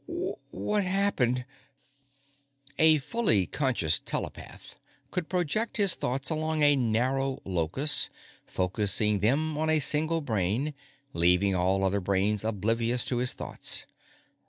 what happened? _ A fully conscious telepath could project his thoughts along a narrow locus, focusing them on a single brain, leaving all other brains oblivious to his thoughts.